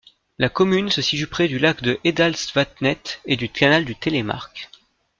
La commune se situe près du lac de Heddalsvatnet et du canal du Telemark.